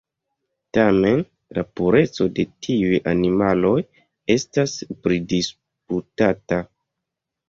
Tamen, la pureco de tiuj animaloj estas pridisputata.